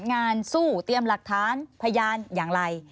งานสู้เตรียมหลักฐานพยานอย่างไร